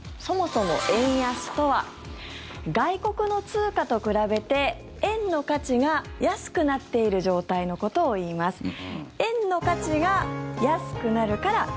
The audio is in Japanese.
そもそも円安とは外国の通貨と比べて円の価値が安くなっている状態のことをいいます。